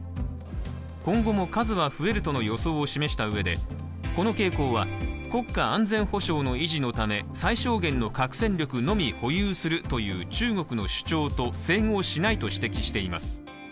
今後も数は増えるとの予想を示したうえで、この傾向は国家安全保障の維持のため最小限の核戦力のみ保有するという中国の主張と整合しないと指摘しています。